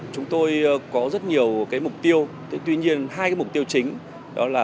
chúng tôi có rất nhiều cái mục tiêu tuy nhiên hai cái mục tiêu chính đó là